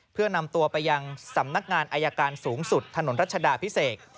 เพื่อนำตัวไปยังสำนักงานอายการสูงสุดถนนรัชดาพิเศษ